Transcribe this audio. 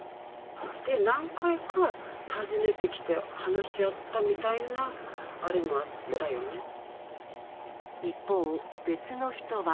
で、何回か訪ねてきて、話し合っ一方、別の人は。